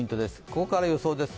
ここから予想です。